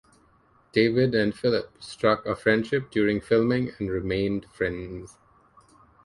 David and Philip struck a friendship during filming and remained friends.